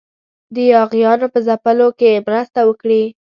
د یاغیانو په ځپلو کې مرسته وکړي.